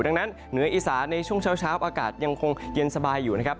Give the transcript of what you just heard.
ดังนั้นเหนืออีสานในช่วงเช้าอากาศยังคงเย็นสบายอยู่นะครับ